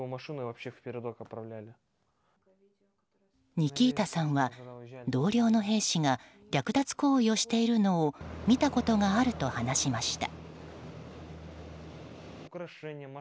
ニキータさんは同僚の兵士が略奪行為をしているのを見たことがあると話しました。